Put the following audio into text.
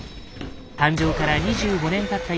誕生から２５年たった